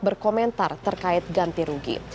berkomentar terkait ganti rugi